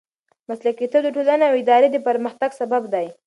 مسلکیتوب د ټولنې او ادارې د پرمختګ سبب دی.